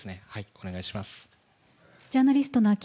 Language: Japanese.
お願いします。